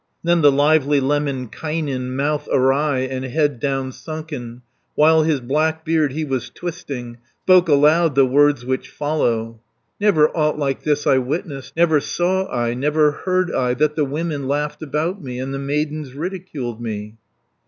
Then the lively Lemminkainen Mouth awry, and head downsunken, While his black beard he was twisting, Spoke aloud the words which follow: 120 "Never aught like this I witnessed, Never saw I, never heard I, That the women laughed about me, And the maidens ridiculed me."